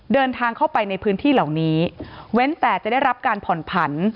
เดินทางเข้าไปในพื้นที่เหล่านี้เว้นแต่จะได้รับการผ่อนผัน